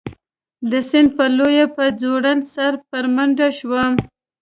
د سیند په لور په ځوړند سر په منډه شوم.